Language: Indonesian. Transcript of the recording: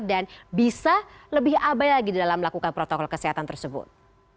dan bisa lebih abai lagi dalam melakukan protokol kesehatan tersebut